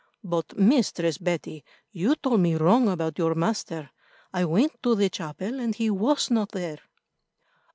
But, Mistress Betty, you told me wrong about your master. I went to the chapel and he was not there."